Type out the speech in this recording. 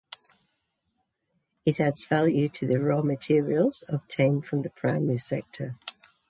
It adds value to the raw materials obtained from the primary sector.